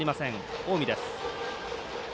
近江です。